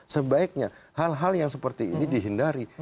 sebaiknya hal hal yang seperti ini dihindari